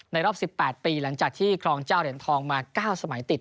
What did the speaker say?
รอบ๑๘ปีหลังจากที่ครองเจ้าเหรียญทองมา๙สมัยติด